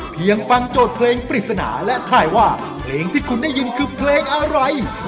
ฟังโจทย์เพลงปริศนาและถ่ายว่าเพลงที่คุณได้ยินคือเพลงอะไร